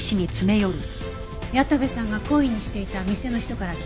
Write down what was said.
矢田部さんが懇意にしていた店の人から聞きました。